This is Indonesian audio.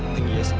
segini gak pak